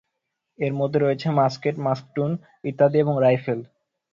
এর মধ্যে রয়েছে মাস্কেট, মাস্কটুন, ইত্যাদি, এবং রাইফেল